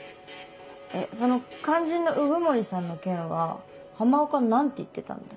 えっその肝心の鵜久森さんの件は浜岡何て言ってたんだ？